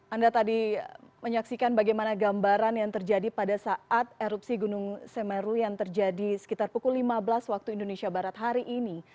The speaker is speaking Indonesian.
anda tadi menyaksikan bagaimana gambaran yang terjadi pada saat erupsi gunung semeru yang terjadi sekitar pukul lima belas waktu indonesia barat hari ini